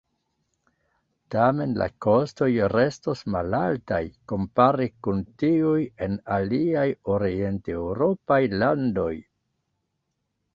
Tamen la kostoj restos malaltaj kompare kun tiuj en aliaj orienteŭropaj landoj.